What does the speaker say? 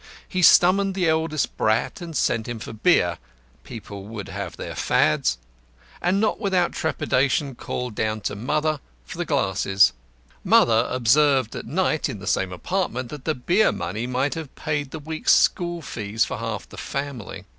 He summoned the eldest brat and sent him for beer (people would have their Fads), and not without trepidation called down to "Mother" for glasses. "Mother" observed at night (in the same apartment) that the beer money might have paid the week's school fees for half the family.